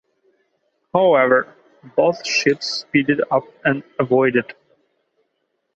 However, both ships speeded up and avoided.